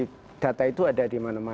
dan data server dukcapil itu ada di mana mana